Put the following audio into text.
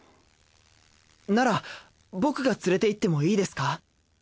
なら僕が連れていってもいいですか？